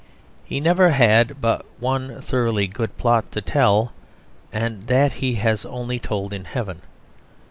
He never had but one thoroughly good plot to tell; and that he has only told in heaven.